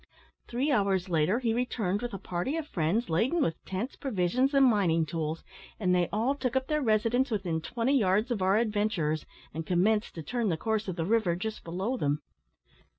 Three hours later he returned with a party of friends, laden with tents, provisions, and mining tools, and they all took up their residence within twenty yards of our adventurers, and commenced to turn the course of the river just below them.